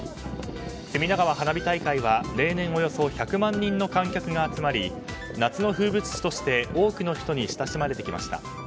隅田川花火大会は例年およそ１００万人の観客が集まり夏の風物詩として多くの人に親しまれてきました。